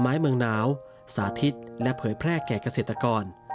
ไม้เมืองหนาวสาธิตและเผยแพร่แก่เกษตรกร